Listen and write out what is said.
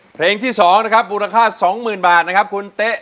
เพลงที่๒นะครับมูลค่า๒๐๐๐บาทนะครับคุณเต๊ะ